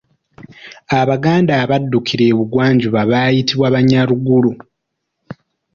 Abaganda abaddukira e bugwanjuba baayitibwa Banyaruguru.